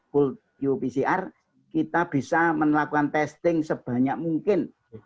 full qpcr kita bisa melakukan testing sebanyak mungkin